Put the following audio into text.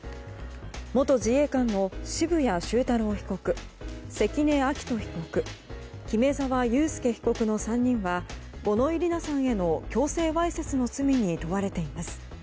元自衛官の渋谷修太郎被告関根亮斗被告木目沢佑輔被告の３人は五ノ井里奈さんへの強制わいせつの罪に問われています。